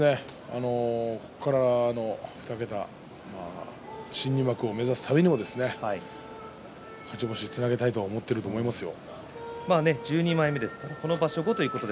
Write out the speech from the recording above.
ここから２桁新入幕を目指すためにも勝ち星をつなげたいと思いますよ。